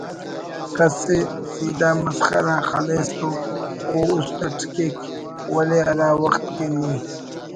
کس ءِ سیدھا مسخرہ خلیس تو او اُست اٹ کیک ولے ہرا وخت کہ نی